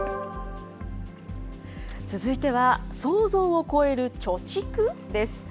続いては、想像を超える貯蓄？です。